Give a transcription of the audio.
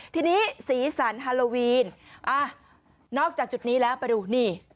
ทีนี้สีสันฮาโลวีนนอกจากจุดนี้แล้วไปดูนี่